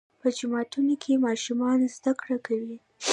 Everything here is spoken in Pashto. په جوماتونو کې ماشومان زده کړه کوي.